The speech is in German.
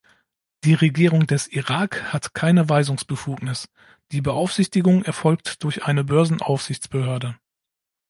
Die Regierung des Irak hat keine Weisungsbefugnis, die Beaufsichtigung erfolgt durch eine Börsenaufsichtsbehörde.